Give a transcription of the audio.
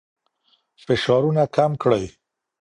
فشارونه کم کړئ.